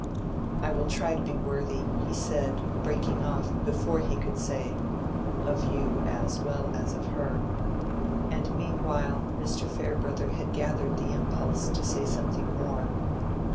"I will try to be worthy," he said, breaking off before he could say "of you as well as of her." And meanwhile Mr. Farebrother had gathered the impulse to say something more.